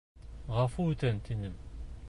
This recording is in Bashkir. Ғәфү үтен, тинем.